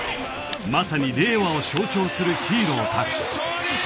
まさに令和を象徴するヒーローたち。